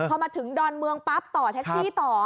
พอมาถึงดอนเมืองปั๊บต่อแท็กซี่ต่อ